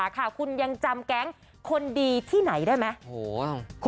ค่ะคุณยังจำแก๊งคนดีที่ไหนได้ไหม